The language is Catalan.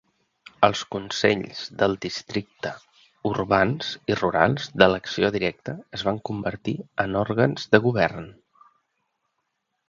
Els consells del districte urbans i rurals d'elecció directa es van convertir en òrgans de govern.